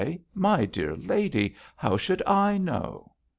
my dear lady, how should I know?'